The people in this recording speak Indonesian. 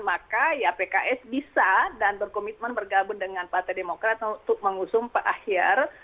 maka ya pks bisa dan berkomitmen bergabung dengan partai demokrat untuk mengusung pak ahyar